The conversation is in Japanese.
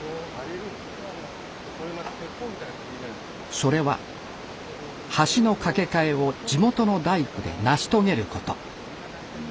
それは橋の架け替えを地元の大工で成し遂げること。